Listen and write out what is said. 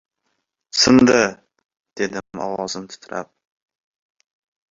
— Sindi! — dedim ovozim titrab.